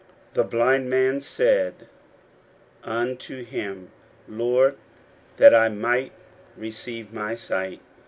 The blind man said unto him, Lord, that I might receive my sight.